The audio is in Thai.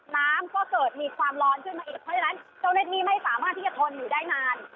น้ำก็เกิดมีความร้อนขึ้นมาอีกเพราะฉะนั้นเจ้าหน้าที่ไม่สามารถที่จะทนอยู่ได้นาน